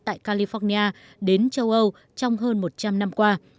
tại california đến châu âu trong hơn một trăm linh năm qua